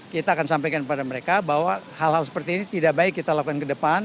kita akan sampaikan kepada mereka bahwa hal hal seperti ini tidak baik kita lakukan ke depan